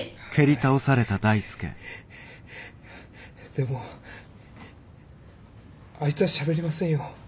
でもあいつはしゃべりませんよ。